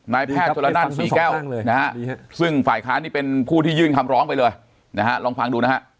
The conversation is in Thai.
นายแพทย์จรดละนั้น๔แก้วนะครับซึ่งฝ่ายค้านี่เป็นผู้ที่ยื่นคำร้องไปเลยนะฮะลองฟังดูนะฮะ